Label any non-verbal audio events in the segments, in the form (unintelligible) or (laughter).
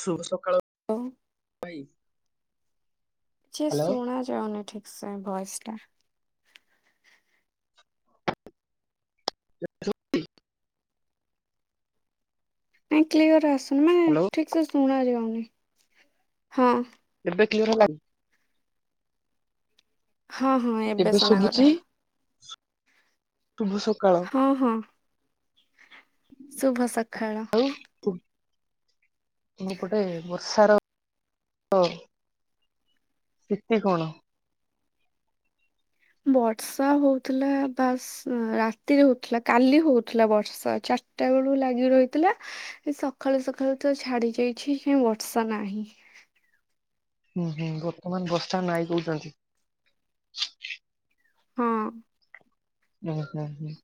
ଶୁଭ ସକାଳ ହଉ ଭାଇ। କିଛି ଶୁଣାଯାଉନି ଠିକ୍ ସେ ଭଏସ ଟା। (inaudible) ଏବେ ଶୁବୁଚି? ନାଇଁ କ୍ଲିୟର ଆସୁନି ମାନେ ହ୍ୟାଲୋ ଠିକସେ ଶୁଣାଯାଉନି ହଁ। ଏବେ କ୍ଲିୟର ହେଲାକି? ହଁ ହଁ ଏବେ ଶୁଣାଗଲା। ଶୁଭ ସକାଳ। ହଁ ହଁ ଶୁଭ ସଖାଳ। (inaudible) ଏପଟେ ବର୍ଷାର ସ୍ଥିତି କଣ? ବର୍ଷା ହୋଉଥିଲା ବାସ୍। ଉଁ ରାତିରେ ହୋଉଥିଲା କାଲି ହୋଉଥିଲା ବର୍ଷା ଚାରିଟା ବେଳୁ ଲାଗି ରହିଥିଲା। ଏଇ ସଖାଳୁ ସଖାଳୁ ତ ଛାଡି ଯାଇଚି କାଇଁ ବର୍ଷା ନାହିଁ। ହୁଁ ହୁଁ ବର୍ତ୍ତମାନ ବର୍ଷା ନାଇଁ କୋହୁଚନ୍ତି। ହୁଁ। ହୁଁ ହୁଁ ହୁଁ।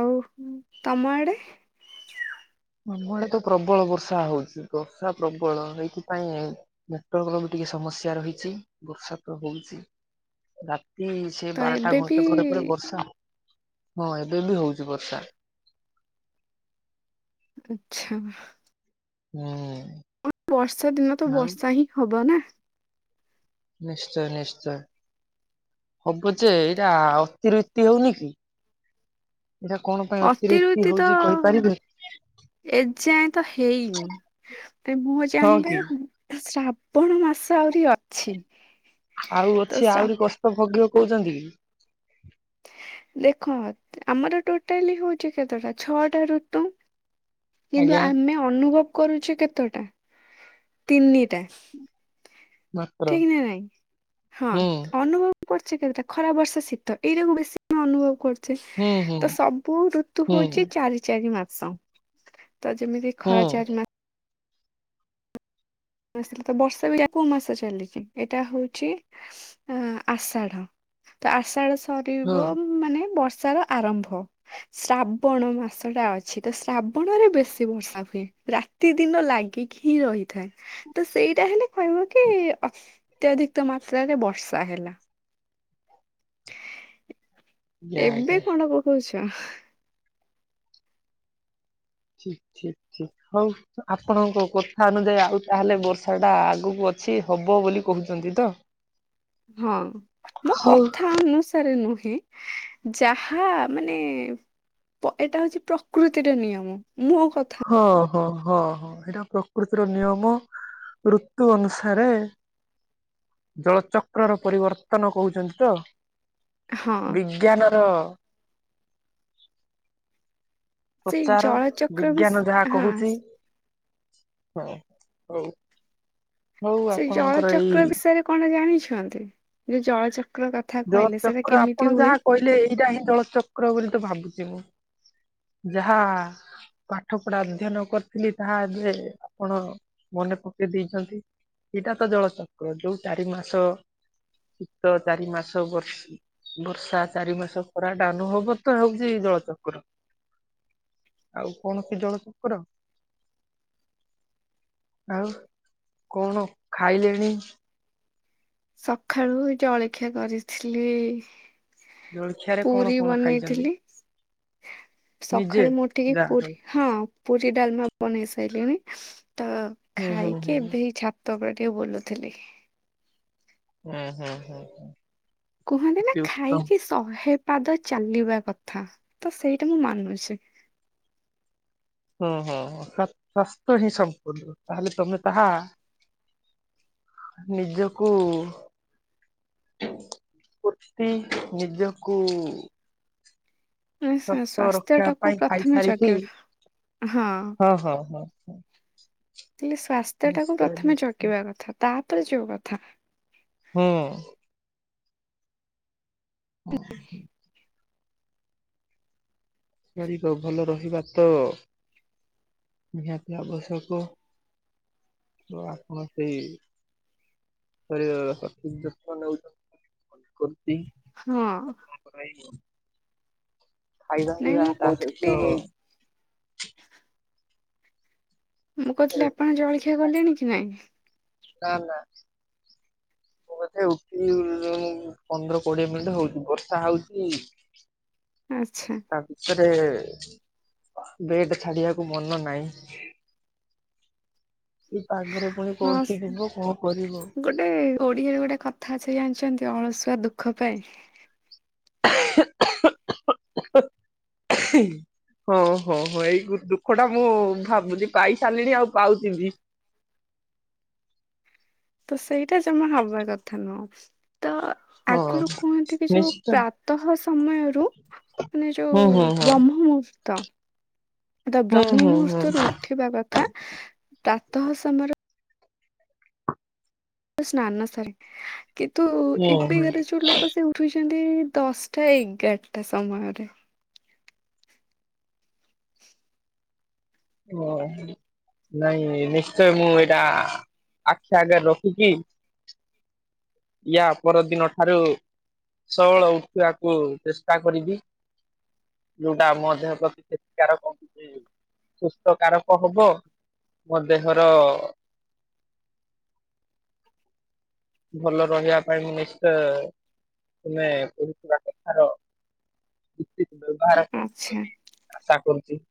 ଆଉ ତମ ଆଡେ? ଆମ ଆଡେ ତ ପ୍ରବଳ ବର୍ଷା ହୋଉଚି। ବର୍ଷା ପ୍ରବଳ ହେଇଥିପାଇଁ ନେଟୱାର୍କର ବି ଟିକେ ସମସ୍ୟା ରହିଛି। ବର୍ଷା ତ ହୋଉଛି ରାତି ସେ ତ ବାରଟା ଏବେ ବି ଘଣ୍ଟେ ପରେ ପରେ ବର୍ଷା ହଁ ଏବେ ବି ହୋଉଚି ବର୍ଷା। ଆଚ୍ଛା। ହୁଁ। ବର୍ଷା ଦିନ ତ ଆଉ ବର୍ଷା ହିଁ ହବ ନା। ନିଶ୍ଚୟ ନିଶ୍ଚୟ। ହବ ଯେ ଏଇଟା ଅତିରୁ ଇତି ହୋଉନି କି। ଏଇଟା କଣ? ପାଇଁ ଅତିରୁ ଅତିବୃଷ୍ଟି ଇତି ତ ହଉଛି କହିପାରିବେ ଏ ଯାଏଁ ତ ହେଇନି। (unintelligible) ମୁଁ ହଁ କି ଜାଣିବାରେ ଶ୍ରାବଣ ମାସ ଆହୁରି ଅଛି। ଆଉ ତ ଅଛି ଶ୍ରା ଆହୁରି କଷ୍ଟ ଭୋଗିବ କୋହୁଚନ୍ତି। ଦେଖ ଆମର ଟୋଟାଲି ହୋଉଚି କେତେଟା ଛଅଟା ଋତୁ। କିନ୍ତୁ ଆଜ୍ଞା ଆମେ ଅନୁଭବ କରୁଛେ କେତେଟା ତିନିଟା। ମାତ୍ର ଠିକ୍ ନା ନାଇଁ ହଁ ହୁଁ ଅନୁଭବ କରୁଛେ କେତେଟା ଖରା, ବର୍ଷ, ଶୀତ ଏଇରାକୁ ବେଶୀ ଅନୁଭବ କରୁ ହୁଁ ହୁଁ ଛେସତ ସବୁ ଋତୁ ହୁଁ ହୋଉଚି ଚାରି ଚାରି ମାସ ତ ଯେମିତି ହୁଁ ଖରା ଚାରି ମା ସ ଆସିଲ ତ ବର୍ଷା ବି ଯା କୋଉ ମାସ ଚାଲିଚି ଏଇଟା ହୋଉଛି ଆ ଆଷାଢ ତ ଆଷାଢ ହଁ ସରିବ ମାନେ ବର୍ଷାର ଆରମ୍ଭ ଶ୍ରାବଣ ମାସଟା ଅଛି ତ ଶ୍ରାବଣ ରେ ବେଶୀ ବର୍ଷା ହୁଏ। ରା ପ୍ରତିେଦିନ ଲାଗିକି ହିଁ ରହିଥାଏ। ତ ସେଇଟା ହେଲେ କହିବ କି ଅତ୍ୟଧିକ ମାତ୍ରାରେ ବର୍ଷା ହେଲା। ଆଜ୍ଞା ଏବେ ଆଜ୍ଞା କଣ ପକଉଛ? ଠିକ ଠିକ ଠିକ ହଉ ଆପଣଙ୍କ କଥା ଅନୁଯାୟୀ ଆଉ ତାହେଲେ ବର୍ଷା ଟା ଆଗକୁ ଅଛି ହବ ବୋଲି କହୁଛନ୍ତି ତ? ହଁ ମୋ ହଉ କଥା ଅନୁସା ନୁହେଁ ଯାହା ମାନେ ଏଇଟା ହଉଛି ପ୍ରକୃତିର ନିୟମ ମୋ କଥା ହଁ ହଁ ହଁ ହଁ ଏଇଟା ପ୍ରକୃତିର ନିୟମ ଋତୁ ଅନୁସାରେ ଜଳଚକ୍ର ର ପରିବର୍ତ୍ତନ କହୁଛନ୍ତି ତ ହଁ ବିଜ୍ଞାନର ସେଇ ପ୍ରଚାର ଜଳଚକ୍ର ବି ବିଜ୍ଞାନ ଯାହା ହଁ କହୁଛି ହ ହଉ ହଉ ସେଇ ଆପଣଙ୍କର ଏଇ ଜଳଚକ୍ର ବିଷୟରେ କଣା ଜାଣିଛନ୍ତି ଯୋଉ ଜଳଚକ୍ର କଥା କହିଲେ ସେଟା ଜଳଚକ୍ର କେମିତି ଆପଣ ହୁଏ? ଯାହା କହିଲେ ଏଇଟା ହିଁ ଜଳଚକ୍ର ବୋଲି ତ ଭାବୁଛି ମୁଁ ଯାହା ପାଠ ପଢା ଅଧ୍ୟୟନ କରିଥିଲି ତାହା ଏବେ ଆପଣ ମନେ ପକେଇ ଦେଇଛନ୍ତି ଏଇଟା ତ ଜଳଚକ୍ର ଯୋଉ ଚାରି ମାସ ଶୀତ ଚାରି ମାସ ବର୍ଷ ବର୍ଷା ଚାରି ମାସ ଖରା ଡାାନ ହବ ତ ହଉଛି ଏଇ ଜଳଚକ୍ର। ଆଉ କଣ କି ଜଳଚକ୍ରର ଆଉ କଣ ଖାଇଲେଣି? ସକାଳୁ ଜଳଖିଆ କରିଥିଲି ଜଳଖିଆରେ କଣ ପୁରୀ କଣ ଖାଇଛନ୍ତି ବନେଇଥିଲି ନିଜେ? ସକାଳେ ମୁଁଠିକି ଯା ହଉ ପୁରୀ ହଁ ପୁରୀ ଡାଲମା ବନେଇସ ହେଇଲିଣିି ତ ହୁଁ ହୁଁ ଖାଇ ହୁଁ କେ ଭେ ଛା ତ ଉପରେ ଟିକେ ବୁଲୁଥିଲି। ହୁଁ ହୁଁ ହୁଁ ହୁଁ? କୁହନ୍ତି ନା ଖାଇକି ଶହେ ପାଦ ଚାଲିବା କଥା ତ ସେଇଟା ମୁଁ ମାନୁଛି। ହୁଁ ହଁ ସ୍ଵାସ୍ଥ୍ୟ ହିଁ ସମ୍ପୂର୍ଣ୍ଣ ତାହେଲେ ତମେ ତାହା ନିଜକୁ ଗୋଟି ନିଜକୁ ଶକ୍ତ ସ୍ୱାସ୍ଥ୍ୟ ରଖିବା ଟାକୁ ପାଇଁ ପ୍ରଥମେ ଖାଇସାରିକି ଜଗିବା ହଁ ହଁ ହଁ ହ ହେଲେ ସ୍ଵାସ୍ଥ୍ୟ ଟାକୁ ପ୍ରଥମେ ନିଶ୍ଚୟ ଜକିବା କଥା ତାପରେ ଯୋଉ କଥା। ହଁ? ହଁ। (inaudible) ର ଭଲ ରହିବା ତ ନିହାତି ଆବଶ୍ୟକ। ତ ଆପଣ ସେଇ ଶରୀରର ସଠିକ ଯତ୍ନ ନେଉଛନ୍ତି କରଛି (unintelligible) ହଁ। ଭାଇ (unintelligible) ଖାଇବା ନାଇଁ ପିଇବା ମୁଁ ତା କହୁଥିଲି ସହିତ ମୁଁ କହୁଥିଲି ଆପଣ ଜଳଖିଆ କଲେଣି କି ନାଇଁ। ନା ନା। ମୋ କଥା (inaudible) ପନ୍ଦର କୋଡିଏ ମିନିଟ ହଉଛି ବର୍ଷା ହଉଛି। ଆଚ୍ଛା। ତା ଭିତରେ ବେଡ଼ ଛାଡ଼ିବାକୁ ମନ ନାହିଁ। ଏଇ ପାଗରେ ପୁଣି ହଁ କଉଠି ଯିବ କଣ କରିବୁ। ଗୋଟେ ଓଡିଆରେ ଗୋଟେ କଥା ଅଛି ଜାଣିଛନ୍ତି ଅଳସୁଆ ଦୁଃଖ ପାଏ। (inaudible) ଓହୋ ହଁ ଏଇ ଦୁଃଖ ଟା ମୁଁ ଭାବୁଚି ପାଇ ସାରିଲିଣି ଆଉ ପାଉଚି ବି। ତ ସେଇଟା ଜମା ହବା କଥା ନୁହଁ ତ ହଁ ଆଗରୁ କୁହନ୍ତି କି ଯୋଉ ନିଶ୍ଚୟ ପ୍ରାତଃ ସମୟରୁ ମାନେ ହୁଁ ଯୋଉ ହୁଁ ହୁଁ। ବ୍ରହ୍ମ ମୁହୂର୍ତ୍ତ। ତ ହୁଁ ବ୍ରହ୍ମ ହୁଁ ହୁଁ ମୁହୂର୍ତ୍ତରୁ ଉଠିବା କଥା ପ୍ରାତଃ ସମୟରେ ସ୍ଥାନ ସାରି କିନ୍ତୁ ହୁଁ ଏବେ ହୁଁ କାର ଯୋଉ ଲୋକ ସେ ଉଠୁଛନ୍ତି ଦଶଟା ଏଗାରଟା ସମୟରେ। ଓ ନାଇଁ ନିଶ୍ଚୟ ମୁଁ ଏଇଟା ଆଖି ଆଗରେ ରଖିକି ୟା ପରଦିନ ଠାରୁ ଶଅଳ ଉଠିବାକୁ ଚେଷ୍ଟା କରିବି। ଯୋଉଟା ଆମ ଦେହ ପ୍ରତି ଖେତିକାରକ (unintelligible) ସୁସ୍ଥ କାରକ ହବ ମୋ ଦେହର ଭଲରେ ରହିବା ପାଇଁ ମୁଁ ନିଶ୍ଚୟ ତୁମେ କହୁଥିବା କଥାର ଠିକ୍ ବ୍ୟବହାର କର ଆଚ୍ଛା ବୋଲି ଆଶା କରୁଚି।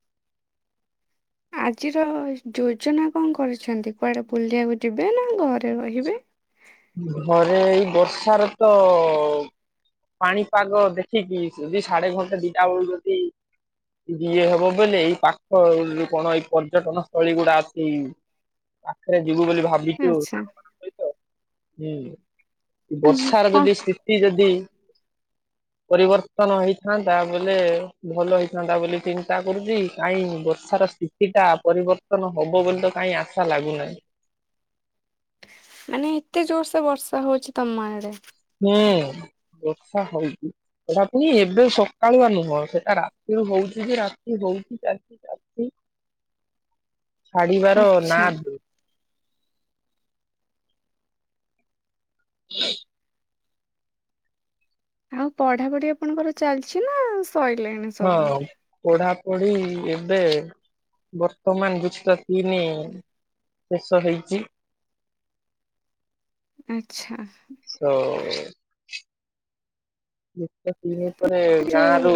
ଆଜିର ଯୋଜନା କଣ କରିଛନ୍ତି କୁଆଡ଼େ ବୁଲିବାକୁ ଯିବେନା ଘରେ ରହିବେ? ଘରେ ଏଇ ବର୍ଷାରେ ତ ପାଣିପାଗ ଦେଖିକି ଯଦି ସାଢେ ଘଣ୍ଟା ଦିଟା ବେଳକୁ ଯଦି ଇଏ ହବ ବେଲେ ଏଇ ପାଖ (inaudible) କଣ ଏଇ ପର୍ଯ୍ୟଟନ ସ୍ଥଳୀ ଗୁଡ଼ା ଆଛି। ପାଖରେ ଯିବୁ ବୋଲି ଭାବିଛୁ। ଆଚ୍ଛା ସହିତ ହୁଁ ଉଁ ବର୍ଷାର କଣ ଯଦି ସ୍ଥିତି ଯଦି ପରିବର୍ତ୍ତନ ହେଇଥାନ୍ତା ବୋଲେ ଭଲ ହେଇଥାନ୍ତା ବୋଲି ଚିନ୍ତା କରୁଛି କାଇଁ ବର୍ଷାର ସ୍ଥି କିଛିଟା ପରିବର୍ତ୍ତନ ହବ ବୋଲିତ କାଇଁ ଆଶା ଲାଗୁନାହିଁ। ମାନେ ଏତେ ଜୋରସେ ବର୍ଷା ହଉଚି ତମ ଆଡ଼େ। ହୁଁ ଏତେ ହଉଛିି। ସେଟା ପୁଣି ଏବେ ସକାଳୁଆ ନୁହଁ ସେଟା ରାତିରୁୁ ହଉଚି ଯେ ରାତି ହଉଚି ଚା ଚାଲିଚି ଛାଡ଼ିବାର ଆଚ୍ଛା ନାଧରୁ (inaudible) ଆଉ ପଢାପଢି ଆପଣଙ୍କର ଚାଲିଚି ନା ଶଇଲାଣି। ହଉ। ପଢାପଢି ଏବେ ବର୍ତ୍ତମାନ ଯୁକ୍ତ ତିନି ଶେଷ ହେଇଚି। ଆଚ୍ଛା। ତ (unintelligible) (unintelligible) ଭିତରେ ଯୋଉ ଗାଁରୁ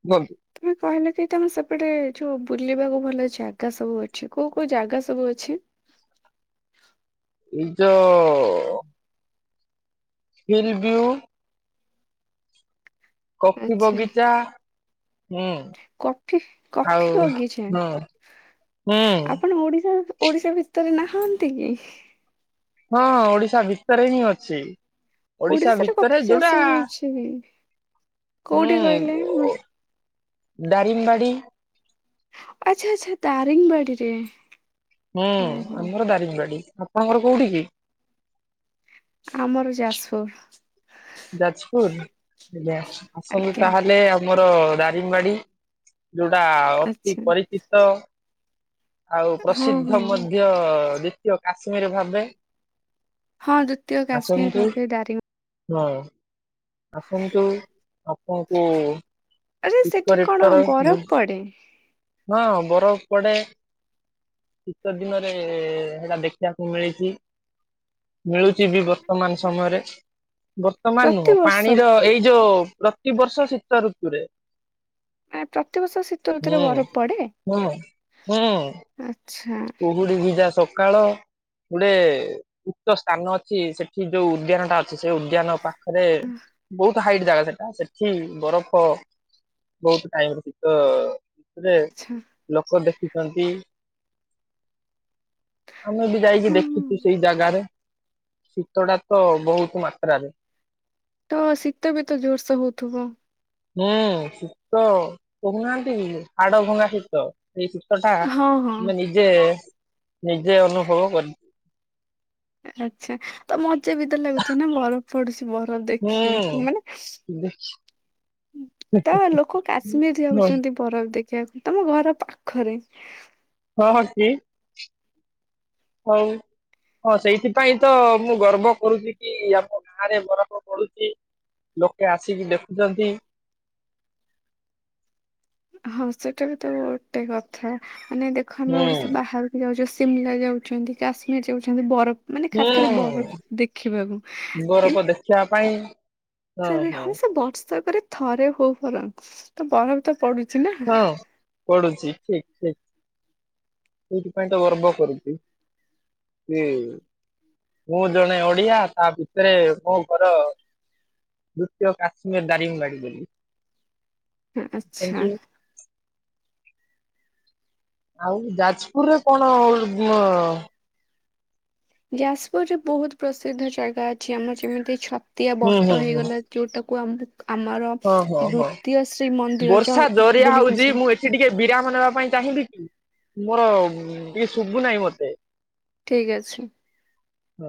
(inaudible) ତମେ କହିଲକି ତମେ ସେପଟେ ଯୋଉ ବୁଲିବାକୁ ଭଲ ଜାଗା ସବୁ ଅଛି କୋଉ କୋଉ ଜାଗା ସବୁ ଅଛି? ଏଇତ ହିଲ୍ ବିଉ କଫି ଆଚ୍ଛା ବଗିଚା ହୁଁ କଫି ଆଉ କଫି ବଗିଚା ହୁଁ ହୁଁ ଆପଣ ଓଡି଼ଶା, ଓଡି଼ଶା ଭିତରେ ନାହାନ୍ତି କି? ହଁ, ଓଡି଼ଶା ଭିତରେ ହିଁ ଅଛି। ଓଡି଼ଶା ଓଡିଶାରେ ଭିତରେ କଫି ଚାଷ ଯୋଉଟା, ହଉଛି କୋଉଠି କହିଲେ ମୁଁ ହୁଁ ଦାରିଙ୍ଗିବାଡ଼ି ଆଛା ଆଛା, ଦାରିଙ୍ଗବାଡ଼ିରେ ହୁଁ, ଆମର ଦାରିଙ୍ଗ ବାଡି଼, ଆପଣଙ୍କର କୋଉଠି କି? ଆମର ଯାଜପୁର। ଯାଜପୁର ଆଜ୍ଞା, ଆସନ୍ତୁ ଆଜ୍ଞା ତାହେଲେ ଆମର ଦାରିଙ୍ଗବାଡି଼। ଯୋଉଟା ଅତି ଆଚ୍ଛା ପରିଚିତ। ଆଉ ହଁ ପ୍ରସିଦ୍ଧ ହଁ। ମଧ୍ୟ, ଦ୍ଵିତୀୟ କାଶ୍ମୀର ଭାବେ। ହଁ, ଦ୍ୱିତୀୟ କାଶ୍ମୀର ଆସନ୍ତୁ ଭାବେ ଦାରିଙ୍ଗ ହଁ। ଆସନ୍ତୁ, ଆପଣଙ୍କୁ ଆରେ ସେଠି କଣ ପିକରିଟର, ବରଫ ପଡେ? ହଁ ବରଫ ପଡ଼େ। ଶୀତ ଦିନରେ ହେଟା ଦେଖିବାକୁ ମିଳିଚି। ମିଳୁଚି ବି ବର୍ତ୍ତମାନ ସମୟରେ। ବର୍ତ୍ତମାନ ନୁହଁ, ପ୍ରତିବର୍ଷ ପାଣିର ଏଇ ଯୋଉ ପ୍ରତିବର୍ଷ ଶୀତ ଋତୁରେ। ନାଇଁ ପ୍ରତିବର୍ଷ ଶୀ ହୁଁ ହୁଁ ହୁଁ। ଆଛା। କୁହୁଡି଼ ଭିଜା ସକାଳ। ଗୁଟେ ଉକ୍ତ ସ୍ଥାନ ଅଛି, ସେଠି ଯୋଉ ଉଦ୍ୟାନ ଟା ଅଛି, ସେଇ ଉ ଦ୍ୟାନ ପାଖରେ ବହୁତ ହାଇଟ୍ ଜାଗା ସେଟା, ସେଠି ବରଫ ବହୁତ ଟାଇମରେ ଶୀତ ସେଥରେ ଆଚ୍ଛା ଲୋକ ଦେଖିଚନ୍ତି। ଆମେ ବି ଯାଇକି ହଁ ହଁ ଦେଖିଚୁ ସେଇ ଜାଗାରେ, ଶୀତ ଟା ତ ବହୁତ ମାତ୍ରାରେ ତ, ଶୀତ ବି ତ ଜୋରସେ ହଉଥିବ। ହୁଁ, ଶୀତ କହୁନାହାନ୍ତି, ହାଡ଼ ଭଙ୍ଗା ଶୀତ। ସେଇ ଶୀତ ଟା, ହଁ ହଁ ଆମେ ନିଜେ ନିଜେ ଅନୁଭବ କଲି। ଆଛା, ତ ମଜା ବି ତ ଲାଗୁ ଥିବ ନା, ବର ପଡ଼ୁଚି, ବରଫ ଦେଖିବାକୁ ହୁଁ ମାନେ ଦେଖ ତ, ଲୋକ କାଶ୍ମୀର ହଁ ଯାଉଚନ୍ତି ବରଫ୍ ଦେଖିବାକୁ, ତମ ଘର ପାଖରେ। ହଁ ହଁ କି? ହଉ। ହଁ, ସେଇଥିପାଇଁ ତ, ମୁଁ ଗର୍ବ କରୁଚି କି, ଆମ ଗାଁ ରେ ବରଫ ପଡ଼ୁଚି। ଲୋକେ ଆସିକି ଦେଖୁଚନ୍ତି। ହଁ, ସେଟା ବି ତ ଗୋଟେ କଥା, ମାନେ ଦେଖ ଆମେ ହୁଁ ଓଡି଼ଶା ବାହାରୁ ଯାଉଚ ସିମ୍ଲା ଯାଉଚନ୍ତି, କାଶ୍ମୀର ଯାଉଚନ୍ତି, ବରଫ ମାନେ, ଖାଥରେ ବରଫ ହୁଁ ଦେଖିବାକୁ। ବରଫ ଦେ ଖିଆ ପାଇଁ ସେ ହଁ ସେ ବର୍ଷକରେ ଥରେ ହଉ ବରଂ, ତ ବରଫ୍ ତ ପଡ଼ୁଚି ନା? ପଡୁଚି ଠିକ ଠିକ, ସେଇଥିପାଇଁ ତ ଗର୍ବ କରୁଚି। କି ମୁଁ ଜଣେ ଓଡିଆ ତା ଭିତରେ ମୋ ଘର ଦ୍ୱିତୀୟ କାଶ୍ମୀର ଦାରିଙ୍ଗବାଡ଼ି ବୋଲି। ଆଚ୍ଛା। ସେମତି ଆଉ ଯାଜପୁରରେ କଣ ଉମ୍ ଯାଜପୁରରେ ବୋହୁତ ପ୍ରସିଦ୍ଧ ଜାଗା ଅଛି ଆମର ଯେମିତି ଏଇ ଛତିଆ ହୁଁ ହୁଁ ବଟ ହୁଁ ହେଇଗଲା ଯୋଉଟାକୁ ଆମ ଆମର ହଁ ହଁ ହଁ। ଦ୍ଵିତୀୟ ଶ୍ରୀମନ୍ଦିର ଜ ବୋଲି କୁହାଯାଏ। ସେ ଟିକେ ବିରାମ ନେବା ପାଇଁ ଚାହିଁବେ କି ମୋର ଟିକେ ଶୁଭୁ ନାଇଁ ମତେ। ଠିକଅଛି। ହଁ।